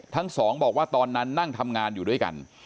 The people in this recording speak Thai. ทั้งสองบอกว่าตอนนั้นนั่งทำงานอยู่ด้วยกัน